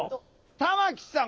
玉木さん